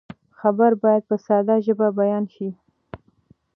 خبر باید په ساده ژبه بیان شي.